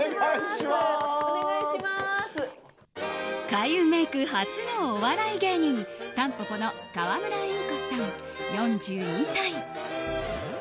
開運メイク初のお笑い芸人たんぽぽの川村エミコさん、４２歳。